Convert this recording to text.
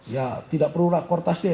ya tidak perlu rakortas deh